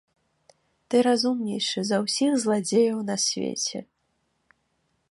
Ты разумнейшы за ўсіх зладзеяў на свеце!